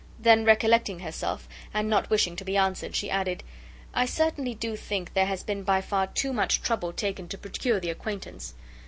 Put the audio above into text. then recollecting herself, and not wishing to be answered, she added, "I certainly do think there has been by far too much trouble taken to procure the acquaintance.